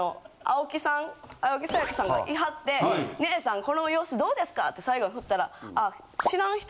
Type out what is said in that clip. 青木さやかさんがいはって「姉さんこの様子どうですか」って最後にふったら。